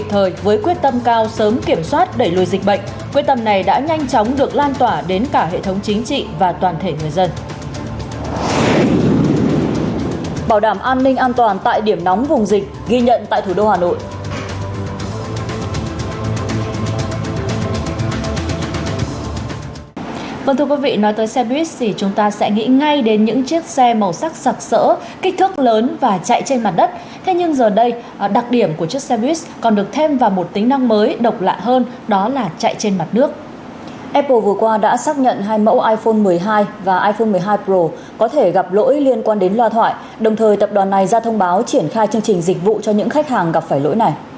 hôm qua đã xác nhận hai mẫu iphone một mươi hai và iphone một mươi hai pro có thể gặp lỗi liên quan đến loa thoại đồng thời tập đoàn này ra thông báo triển khai chương trình dịch vụ cho những khách hàng gặp phải lỗi này